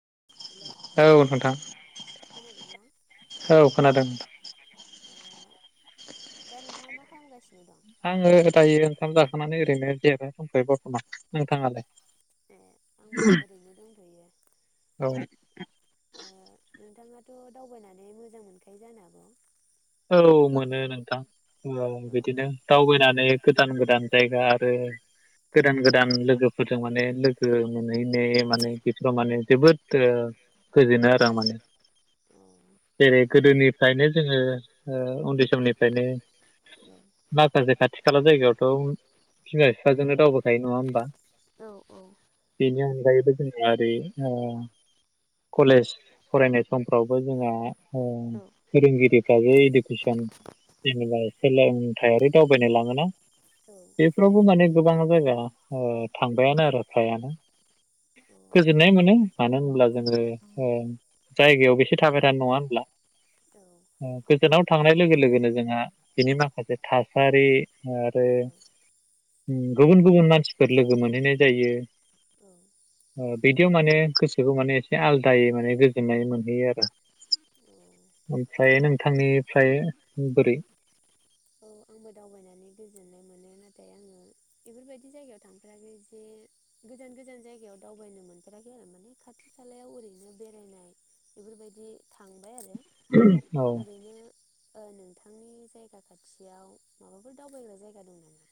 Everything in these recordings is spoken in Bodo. [inaudible] औ नोंथां औ खोनादों नोंथां मा खालामगासिनो दं। आङो दायो ओंखाम जाखांनानै ओरैनो जिरायनानै दं बरथमान, नोंथाङालाय? ए आंबो ओरैनो दंथ'यो औ ओ नोंथाङाथ' दावबायनानै मोजां मोनखायो जानो हागौ। औ मोनो नोंथां। औ अ बिदिनो दावबायनानै गोदान-गोदान जायगा ओ गोदान-गोदान लोगोफोरजों माने लोगो मोनहैनो माने बिसोराव माने जोबोद गोजोनो आरो आ माने अ जेरै गोदोनिफ्रायनो जोङो ओ उन्दै समनिफ्रायनो माखासे खाथि खाला जायगायावथ' बिमा बिफाजोंनो दावबायखायो नङा होमबा औ बेनि अनगायैबो जोंहा ओरै ओ कलेज फरायनाय समफ्रावबो जोंहा ओ औ फोरोंगिरिफ्रा जे थैसेम जेनेबा सोलोंथायारि दावबायनाय लाङोना। औ अ बेफ्रावबो माने। गोबां जायगा ओ थांबायानो आरो फ्रायानो। औ गोजोननाय मोनो मानो होनब्ला जोङो ओ जायगायाव बेसे थाबाय थानो नङा होनब्ला। औ [unintelligible] थांनाय लोगो लोगोनो जोंहा बिनि माखासे थासारि आरो। गुबुन गुबुन मानसिफोर लोगो मोनहैनाय जायो। औ। ओ बिदियाव माने गोसोखौ माने एसे आलादायै माने गोजोननाय मोनहैयो आरो ओमफ्राय नों थांनिफ्राय बोरै औ आंबो दावबायनानै गोजोननाय मोनो नाथाय आङो बेफोर बायदि जायगायाव थांफेराखै जे गोजान गोजान जायगायाव दावबायनो मोनफेराखै आरो माने खाथि खालायाव ओरैनो बेरायनाय बेफोर बायदि थां औ। ओ नोंथांनि जायगा खाथियाव माबाफोर दावबायग्रा जायगा दं नामा?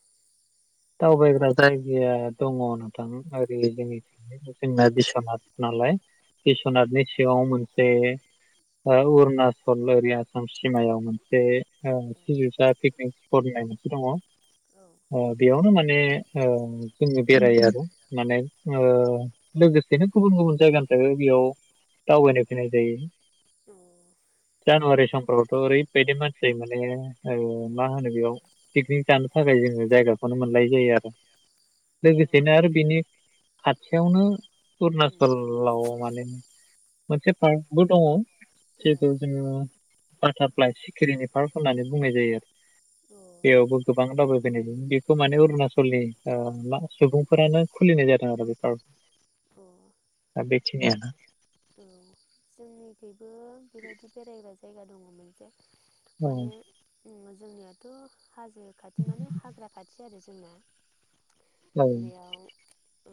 दावबायग्रा जायगाया दङ' नोंथां ओरै जोंनि [unintelligible] जोंना बिस्वनाथ नालाय। औ बिसनाथनि सिङाव मोनसे। ओ अरुनाचल ओरै आसाम सिमायाव मोनसे औ सिजुसा पिकनिक स्पट होननाय मोनसे दङ'। औ ओ बेयावनो माने ओ जोंनि बेरायो आरो। माने ओ औ लोगो बिदिनो गुबुन गुबुन जायगानिफ्राय बेयाव दावबायनो फैनाय जायो। उम जानुवारि समफ्रावथ' ओरै बायदि मानसि माने ओ मा होनो बेयाव पिकनिक जानो थाखाय जोङो जायगा। खौनो मोनलायि जायो आरो औ लोगोसेनो आरो बिनि खाथियावनो उरनाचललाव मानि मोनसे पार्कबो दङ' [unintelligible] जोङो बाटारफ्लाइ सिखिरिनि पार्क होननानै बुंनाय जायो औ बेयावबो गोबां दावबायबायनायजों बे खौ माने अरुणाचलनि ओ मा सुबुंफोरानो खुलिनाय जादों आरो बे पार्क दा बेखिनियानो औ जोंनिथिं बो बेबायदि बेरायग्रा जायगा दङ' मोनसे औ माने उम जोंनियाथ' हाजो खाथि माने हाग्रा खाथि आरो जोंना औ बेयाव ओ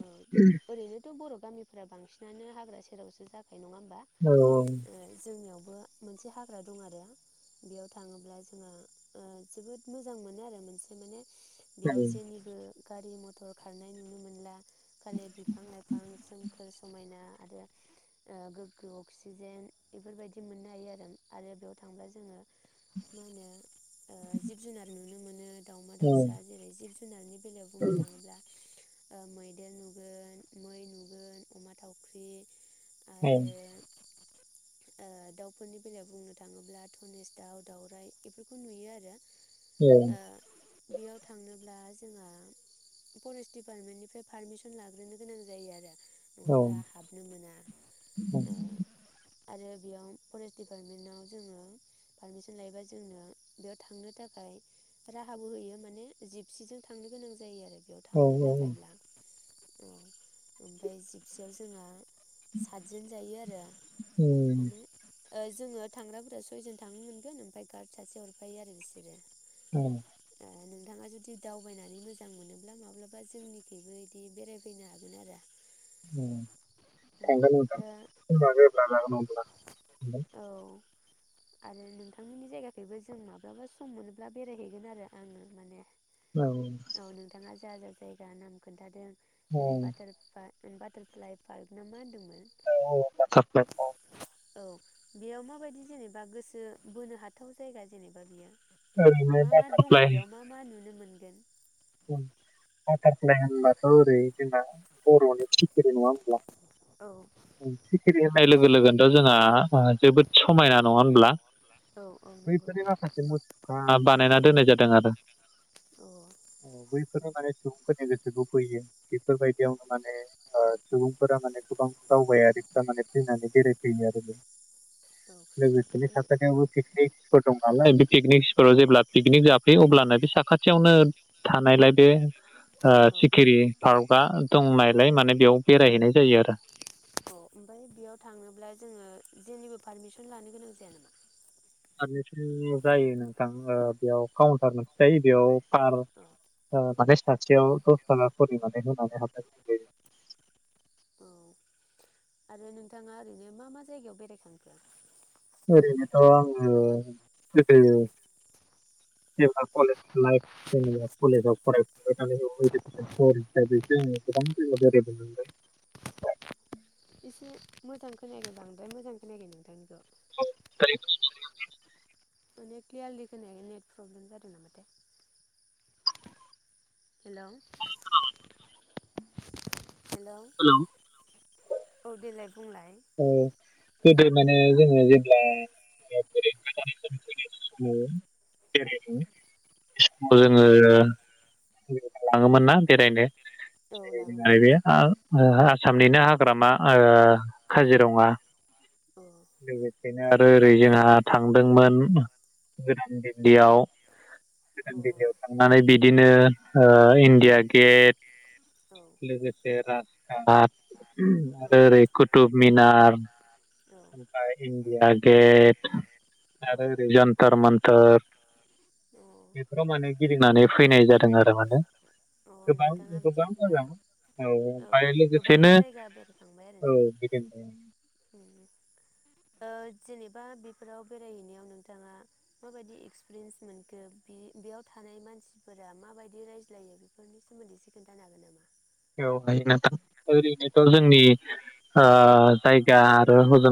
ओरैनोथ' बर' गामि फोरा बांसिनानो हा हाग्रा सेरावसो जागोन नङा होमबा औ ओ जोंनियाव बो मोनसे हाग्रा दं आरो बेयाव थाङोब्ला जोङो जोबोद मोजां मोनो आरो मोनसे माने बेयाव जेनिबो गारि मथर मटर खारनाय नुनो मोनला खालि बिफां-लाइफां सोमखोर समायना आरो ओ गोग्गो अक्सिजेन बेफोरबायदि मोननो हायो आरो आरो बेयाव थांब्ला जोङो मा होनो ओ जिब-जुनार नुनो मोनो दाावमा औ दाउसा जेरै जिब फैनानै बेलायाव बुंनो थाङोब्ला ओ मैदेर नुगोन मै नुगोन अमा थाव ख्रि आरो ओ दाउफोरनि बेलायाव बुंनो थाङोब्ला धनेस दाउ दाउराइ बेफोरखौ नुयो आरो ए ओ बेयाव थांनोब्ला जोंहा फरेस्ट दिडपार्टमेन्टनिफ्राय पारमिसन लाग्रोनो गोनां जायो औ आरो [unintelligible] हाबनो मोना ओ आरो बेयाव फरेस्ट दिडिपार्टमेन्टाव जोङो पारमिसन लायोबा जोंनो बेयाव थांनो थाखाय राहाबो होयो माने जिपसिजों थांनो गोनां जायो आरो बेयाव थांनो औ थाखायब्ला औ ओमफ्राय बियाव जोंहा सातजोन जायो आरो उम माने ओ जोङो थांग्राफोरा सयजन थांनो मोनगोन ओमफ्राय गार्ड सासे हरफायो आरो बिसोरो औ ए [unintelligible] नोंथाङा जुदि दावबायनानै मोजां मोनोब्ला माब्लाबा जोंनिथिबो बिदि बेरायफैनो हागोन आरो उम थांगोन नोंथां [unintelligible] अब्ला औ आरो नोंथांमोननि जायगाथिबो जों माब्लाबा सम मोनोब्ला बेरायहैगोन आरो आङो माने थांगोन औ नोंथाङा जा जायगा नाम खोन्थादों औ जेरै बाटार पा बाटारफ्लाइ पार्क ना मा होन्दोंमोन? औ औ बाटारफ्लाइ पार्क औ बेयाव माबायदि जेनेबा गोसो बोनो हाथाव जायगा जेनेबा बियो ओरैनो मा मा दङ बेयाव बाटारफ्लाइ मा मा नुनो मोन गोन बाटारफ्लाइ होनब्लाथ' ओरै जोंना बर'नि सि खिरि नंङा होम्बला औ सिखिरि होननाय लोगो लोगोनोथ' जोंहा जोबोद समायना नङा होनब्ला, औ औ नंगौ बैफोरनि माखासे मुसुखा बानायना दोननाय जादों आरो औ अ बै बेफोरनो माने सुबुंफोरनि गोसोखौ बोयो बेफोरबायदियावनो माने ओ सुबुंफोरा माने गोबां दावबायारिफ्रा माने फैनानै बेरायफैयो आरो माने लोगोसेनो [unintelligible] निक स्पट दं नालाय बे पिकनिक स्पटआव जेब्ला पिकनिक जाफैयो अब्लानो बे साखाथियावनो थानायलाय बे ओ औ सिखिरि पार्कआ दंनायलाय माने बेयाव बेरायहैनाय जायो आरो अ ओमफ्राय बेयाव थांनोब्ला जोङो जेनिबो पारमिसन लानो गोनां जाया नामा पारमिसन जायो नोंथां ओ बेयाव काउन्टार मोनस थायो बेयाव [unintelligible] औ ओ माने सासेयाव दसतका करे माने [unintelligible] औ आरो नोंथाङा ओरैनो मा मा जायगायाव बेरायखांखो ओरैनोथ' आङो गोदो जेल्बा कलेज लाइफ जेनेबा कलेजाव फरायफुबाय [unintelligible] जोंङो गोबां जायगायाव बेरायनो मोन्दों एसे मोजां खोनाखै बांद्राय मोजां खोनायाखै नोंथांनिखौ [unintelligible] माने क्लियारलि खोनायाखै नेट प्रब्लेम जादों नामाथाय हेलौ हेलौ स्कुलाव औ देलाय बुंलाय [unintelligible] [unintelligible] औ लोगोफोर लाङोमोनना बेरायनो? औ लाङोमोन औ [unintelligible] आसामनिनो हाग्रामा ओ काजिरङा ओ। लोगोसेनो आरो ओरै जोंहा थांदोंमोन गोदान दिल्लीयाव। औ गोदान दिल्लीयाव थांनानै बिदिनो ओ इण्डिया गेट औ लोगोसे राजथा औ ओरो ओरै कुथुब मिनार औ ओमफ्राय इण्डिया गेट आरो ओरै जन्थर मन्थोर अ बेफोराव माने फैनानै फैनाय जादों आरो माने गोबां नोंथाङा गोबां बिदिब्ला मोजां औ औ ओमफाय गोबां लोगोसेनो, जायगा बेरायखांबाय औ आरोना गिदिंदों। ओ जेनेबा बेफोराव बेरायहैनायाव नोंथाङा माबायदि एक्सपिरियेन्स मोनखो बि बेयाव थानाय मानसिफोरा माबायदि रायज्लायो बेफोरनि सोमोन्दै एसे खोनथानो हागोन नामा? औ हायो नोंथां। ओरैनोथ' औ जोंनि ओ जायगा आरो हजों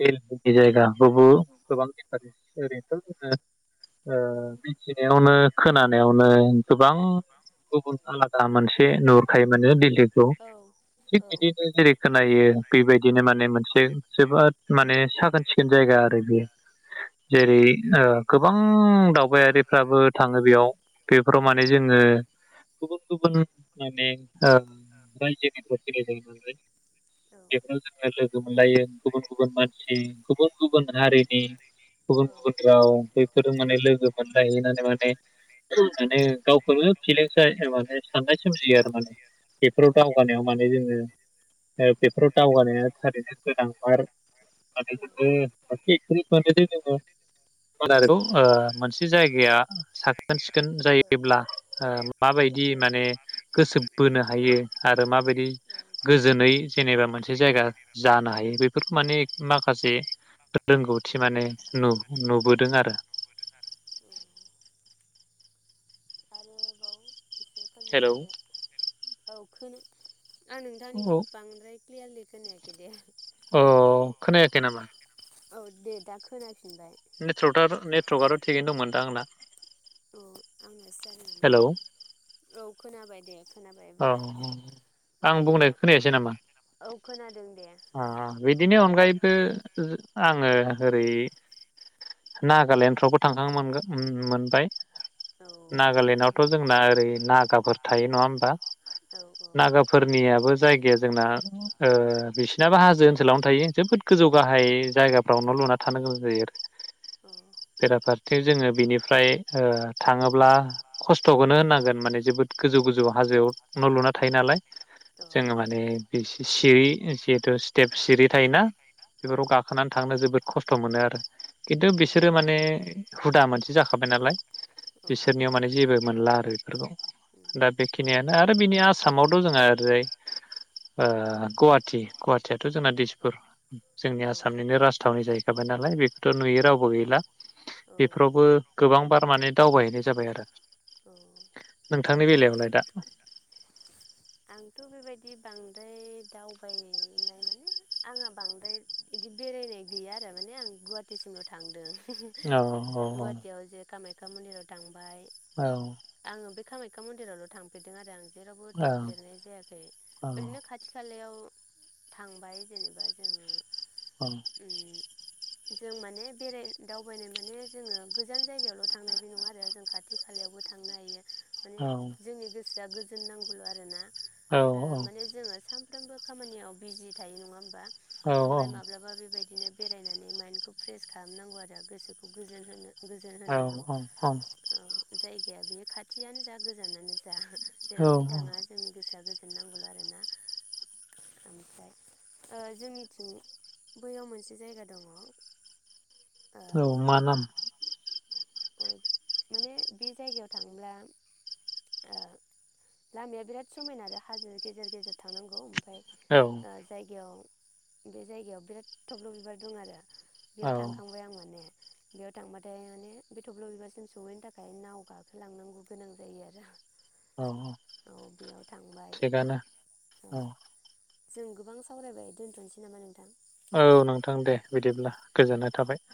दिल्ली जायगाखौबो गोबां इन्टारेस्ट ओरैनोथ' जोङो ओ बेखिनियावनो खोनानायावनो गोबां गुबुन आलादा मानसि एसे नुहुरखायो माने दिल्लीखौ थिग बिदिनो जेरै खोनायो बेबायदिनो माने मोनसे जोबोद माने साखोन सिखोन जायगा आरो बियो अ औ उम जेरै ओ गोबां दावबायारिफ्राबो थाङो बेयाव बेफोराव माने जोङो गुबुन गुबुन माने ओ रायजोनि [unintelligible] औ बेखौनो जोङो लोगो मोनलायो गुबुन गुबुन मानसि गुबुन गुबुन हारिनि गुबुन गुबुन राव बेफोरो माने लोगो मोनलायहैनानै माने, माने गावखौनो फिलिंस जायो माने साननाय सोमजियो आरो माने बेफोराव दावगानायाव माने जोङो ओ बेफोराव दावगानाया थारैनो गोनांथार माने जोङो [unintelligible] ओ मोनसे जायगाया साखोन सि खोन औ औ जायोब्ला ओ माबायदि ओ माने गोसो बोनो हायो आरो माबायदि गोजोनै जेनेबा मोनसे जायगा जानो हायो बेफोरखौ माने माखासे रोंगौथि माने नु-नुबोदों आरो। आरो बाव एसे हेलौ फारमायबावदो औ। खोना आं औ नोंथांनिखौ बांद्राय क्लियारलि खोनायाखै दे। अ खोनायाखै नामा औ दे दा खोनाफिनबाय नेटवर्कआ नेटवर्कआ' थिगैनो दंमोन दा आंना औ आंनास जार म दे हेलौ औ खोनाबाय दे खोनाबाय औ एबार आं आरो बुंनाय खोनायासै नामा औ खोनादों दे बिनि अनगायैबो आङो ओरै नागालेण्डफ्रावबो थांखांनोन मोनबाय औ बिदि नागालेण्डआवथ' जोंना ओरै नागाफोर थायो नङा होमबा औ बिसिनाबो हाजो ओनसोलावनो नागाफोरनियाबो जायगाया जोंना ओ बिसिनाबो हाजो ओनसोलावनो थायो जोबोद गोजौ औ गाहाय जायगाफ्रावनो लुना थानो गोनां जायो आरो औ बेराफारथिं जोङो बेनिफ्राय थाङोब्ला उम खस्थ'खौनो होनांगोन माने जोबोद गोजौ गोजौ हाजोआव न' लुना थायो नालाय औ जोङो माने सिरि जिहेथु स्टेप सिरि थायोना औ बेफोरखौ गाखोनानै थांनो जोबोद खस्थ' मोनोआरो खिन्थु बिसोरो माने हुदा मोनसे हुदामोन जाखाबाय नालाय जाबाय नालाय औ बिसोरनियाव माने जेबो मोनलाआरो बेफोरखौ दा बेखिनिय आरो बिनि आसामावथ' जोंहा ओरै ओ गुवाहाटि गुवाहाटियाथ' जोंना दिसपुर जोंनि औ औ आसामनिनो राजथावनि जाहैखाबाय नालाय बेखौथ' नुयो रावबो गैला औ औ बेफोरावबो गोबां बार माने दावबायहैनाय जाबाय आरो औ। नोंथांनि बेलायावलाय दा आंथ' बेबायदि बांद्राय दावबायनाय माने आंहा बांद्राय बिदि बेरायनाय गैया आरो माने आं गुवाहाटिसिमल' थांदों औ गुवाहाटियाव जे कामाय मन्दिराव थां औ कामाख्या मन्दिरावल' थांफेरदों आरो आं जेरावबो औ थांफेरनाय जायाखै ओरैनो खाथि खालायाव थांबाय जेनेबा जोङो औ उम जों माने बेराय दावबायनाय माने जोङो गोजान जायगायावल' थांनाय बे नङा आरो जों खाथि खालायावबो थांनो हायो माने औ जोंनि गोसोआ गोजोन नांगौल' आरो ना औ ओ माने जोङो साम साफ्रोमबो खामानियाव बिजि थायो नङा होमबा औ ओमफाय माब्लाबा बेबायदिनो बेरायनानै माइन्दखौ फ्रेस खामनांगौ आरो गोसोखौ गोजोन होनो गोजोन औ होनांगौ ओ जायगाया बे खाथियानो जा गोजानानो जा औ जेरावखि थाङा जोंनि गोसोआ गोज नांगौल' आरोना ओमफ्राय ओ जोंनिथिं बैयाव मोनसे जायगा दङ औ मा नाम? अ माने बे जायगायाव थांब्ला ओ लामाया बिराद समायना आरो हाजो गेजेर गेजेर थांनांगौ ओम फाय औ ओ जायगायाव बे जायगायाव बिराद थब्ल' बिबार दं आरो बेयाव औ थांखांबाय आं माने बेयाव थांबाथाय माने बे थब्ल' बिबारसिम सहैनो थाखाय नाव गाखोलांनांगौ गोनां जायो आरो औ औ औ बेयाव थांबाय थिगानो औ जों गोबां सावरायबाय, दोन्थ'नोसै नामा नोंथां? औ नोंथां दे बिदिब्ला गोजोननाय थाबाय।